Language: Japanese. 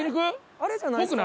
あれじゃないですか？